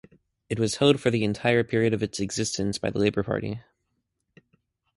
It was held for the entire period of its existence by the Labour Party.